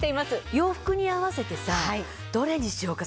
洋服に合わせてさどれにしようかすごく悩む！